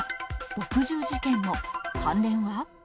墨汁事件も、関連は。